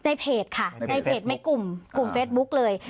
ในเพจค่ะในเพจในกลุ่มกลุ่มเฟสบุ๊กเลย